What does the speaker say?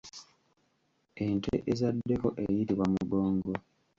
Ente ezaddeko eyitibwa mugongo.